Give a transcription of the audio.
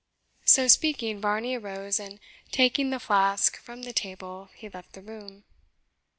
So speaking, Varney arose, and taking the flask from the table, he left the room.